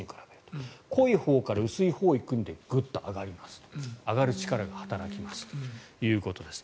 濃いほうから薄いほうに行くのでグッと上がりますと上がる力が働きますということです。